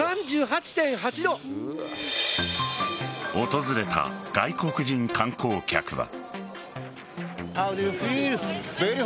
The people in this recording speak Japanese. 訪れた外国人観光客は。